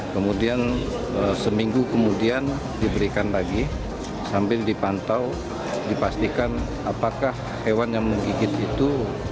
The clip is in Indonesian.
kemudian seminggu kemudian diberikan lagi sambil dipantau dipastikan apakah hewan yang menggigit itu